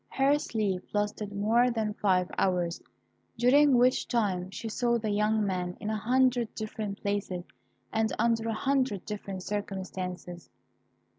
Her sleep lasted more than five hours, during which time she saw the young man in a hundred different places, and under a hundred different circumstances.